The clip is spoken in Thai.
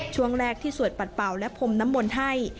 ช่วงแรกที่สวดปัดเป่าและพรมน้ำมนต์ให้